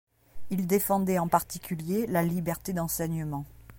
Il défendait en particulier la liberté d'enseignement.